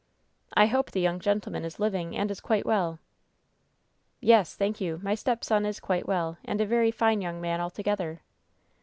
"I hope the young gentleman is living and is quite well." "Yes, thank you, my stepson is quite well, and a very fine young man altogether."